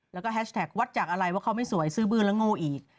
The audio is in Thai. แล้วก็แฮชแท็กวัดจากอะไรว่าเขาไม่สวยซื้อบื้อแล้วโง่อีก